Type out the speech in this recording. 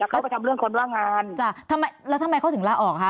แล้วก็ไปทำเรื่องคนว่างงานจ้ะทำไมแล้วทำไมเขาถึงลาออกคะ